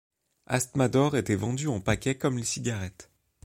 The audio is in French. Asthmador était vendu en paquets comme les cigarettes.